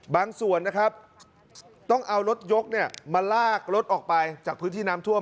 ส่วนนะครับต้องเอารถยกมาลากรถออกไปจากพื้นที่น้ำท่วม